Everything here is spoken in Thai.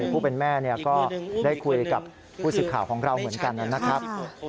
ผู้เป็นแม่ก็ได้คุยกับผู้สิทธิ์ข่าวของเราเหมือนกันนะครับ